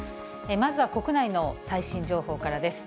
まずは国内の最新情報からです。